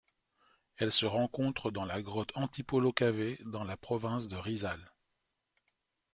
Elle se rencontre dans la grotte Antipolo Cave dans la province de Rizal.